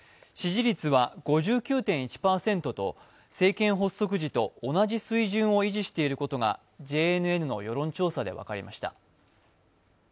支持率は５９．１％と政権発足時と同じ水準を維持していることがＪＮＮの世論調査で分かりました。